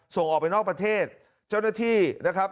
ส่งออกไปนอกประเทศเจ้าหน้าที่นะครับ